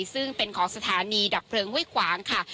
ซึ่งเป็นของสถานีดับเพลิงห้วยขวางค่ะ